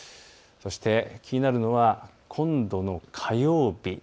そして、気になるのは今度の火曜日